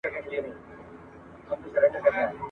واک او ارزښت د مور په برخه وو